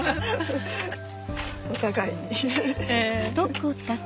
お互いに。